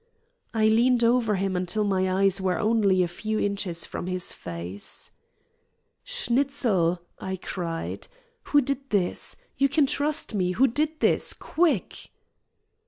I leaned over him until my eyes were only a few inches from his face. "Schnitzel!" I cried. "Who did this? You can trust me. Who did this? Quick!"